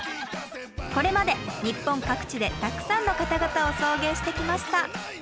これまで日本各地でたくさんの方々を送迎してきました。